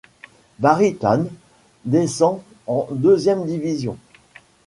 Barry Town descend en deuxième division.